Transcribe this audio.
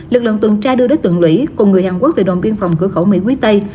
lực lượng tuần tra đưa đối tượng lũy cùng người hàn quốc về đồn biên phòng cửa khẩu mỹ quý tây